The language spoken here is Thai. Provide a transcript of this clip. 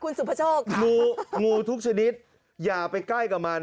งูทุกชนิดอย่าไปใกล้กับมัน